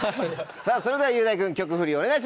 さぁそれでは雄大君曲フリお願いします。